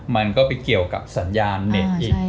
มันก็ไปเกี่ยวกับสัญญาณเน็ตอีก